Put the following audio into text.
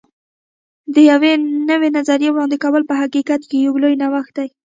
د یوې نوې نظریې وړاندې کول په حقیقت کې یو لوی نوښت دی.